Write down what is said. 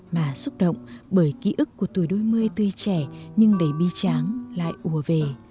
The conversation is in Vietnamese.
mà xúc động bởi ký ức của tuổi đôi mươi tươi trẻ nhưng đầy bi tráng lại ùa về